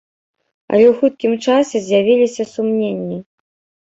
Але ў хуткім часе з'явіліся сумненні.